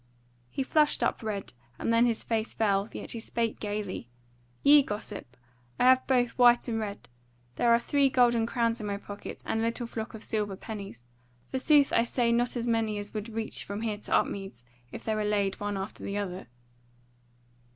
He flushed up red, and then his face fell; yet he spake gaily: "Yea, gossip, I have both white and red: there are three golden crowns in my pouch, and a little flock of silver pennies: forsooth I say not as many as would reach from here to Upmeads, if they were laid one after the other."